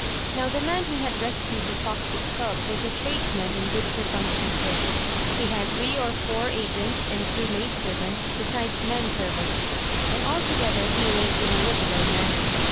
Now the man who had rescued the fox's cub was a tradesman in good circumstances: he had three or four agents and two maid servants, besides men servants; and altogether he lived in a liberal manner.